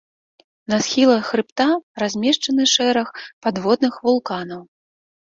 На схілах хрыбта размешчаны шэраг падводных вулканаў.